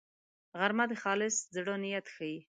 غرمه د خالص زړه نیت ښيي